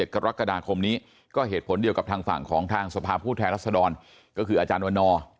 กรกฎาคมนี้ก็เหตุผลเดียวกับทางฝั่งของทางสภาพผู้แทนรัศดรก็คืออาจารย์วันนอร์